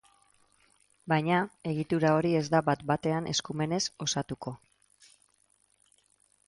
Baina, egitura hori ez da bat-batean eskumenez osatuko.